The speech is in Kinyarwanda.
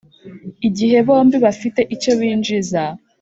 Igihe bombi bafite icyo binjiza,